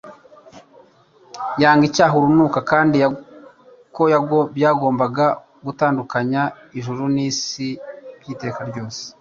yanga icyaha urunuka, kandi ko byagombaga gutandukanya ijuru n'isi by'iteka ryose